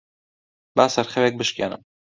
با سەرخەوێک بشکێنم.